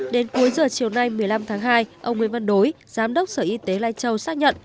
đến cuối giờ chiều nay một mươi năm tháng hai ông nguyễn văn đối giám đốc sở y tế lai châu xác nhận